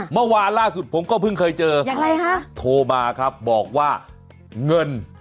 เมื่อวานล่าสุดผมก็เพิ่งเคยเจออย่างไรคะโทรมาครับบอกว่าเงิน